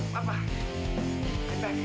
papa i'm back